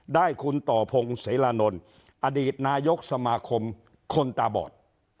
ได้คุณต่อพงศ์เสรานนท์อดีตนายกสมาคมคนตาบอด